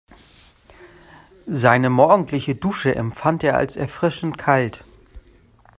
Seine morgendliche Dusche empfand er als erfrischend kalt.